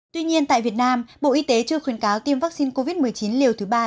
tuy nhiên tại việt nam bộ y tế chưa khuyến cáo tiêm vaccine covid một mươi chín liều thứ ba